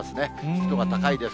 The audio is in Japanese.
湿度が高いです。